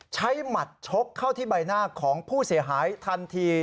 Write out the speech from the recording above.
หมัดชกเข้าที่ใบหน้าของผู้เสียหายทันที